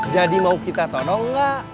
jadi mau kita todong enggak